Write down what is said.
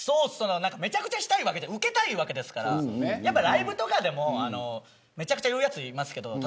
めちゃくちゃしたいわけじゃなくてウケたいわけですからライブとかでもめちゃくちゃ言う奴いますけど。